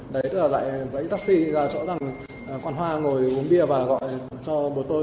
đấy tức là lại vẫy taxi ra chỗ rằng con hoa ngồi uống bia và gọi cho bố tôi